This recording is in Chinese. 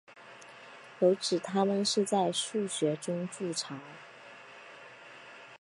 有指它们是在树穴中筑巢。